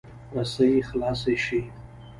رسۍ خلاصه شي.